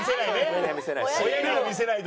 親には見せないね